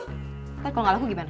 ntar kalau gak laku gimana